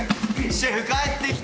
シェフ帰ってきた。